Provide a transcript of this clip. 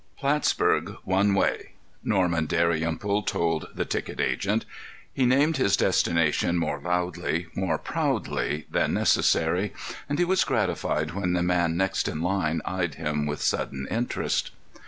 _" "Plattsburg. One way," Norman Dalrymple told the ticket agent. He named his destination more loudly, more proudly than necessary, and he was gratified when the man next in line eyed him with sudden interest.